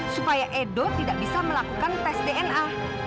supaya edo tidak bisa melakukan tes dna